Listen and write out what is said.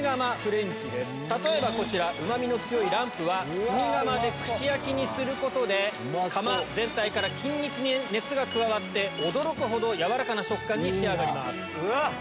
例えばこちらうま味の強いランプは炭窯で串焼きにすることで窯全体から均一に熱が加わって驚くほど軟らかな食感に仕上がります。